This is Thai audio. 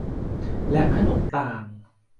และขนมต่าง